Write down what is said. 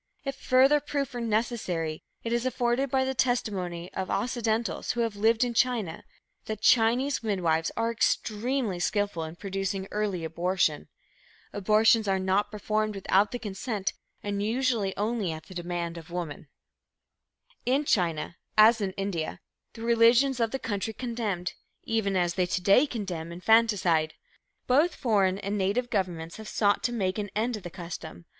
If further proof were necessary, it is afforded by the testimony of Occidentals who have lived in China, that Chinese midwives are extremely skillful in producing early abortion. Abortions are not performed without the consent and usually only at the demand of the woman. In China, as in India, the religions of the country condemned, even as they to day condemn, infanticide. Both foreign and native governments have sought to make an end of the custom.